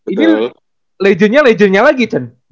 ini legendnya legendnya lagi